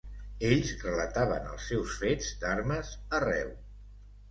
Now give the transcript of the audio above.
Ells relataven els seus fets d'armes arreu.